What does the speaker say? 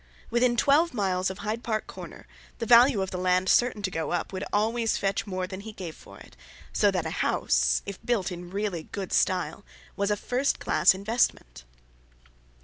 Within twelve miles of Hyde Park Corner, the value of the land certain to go up, would always fetch more than he gave for it; so that a house, if built in really good style, was a first class investment.